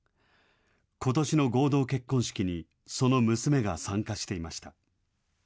ことしの合同結婚式に、その娘が参加していました。